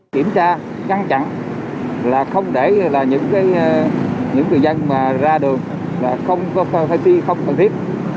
kiểm tra gắn chặn không để những người dân ra đường không có phai phi không cần thiết